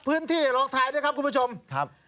พื้นที่ลองทายด้วยครับคุณผู้ชมครับครับ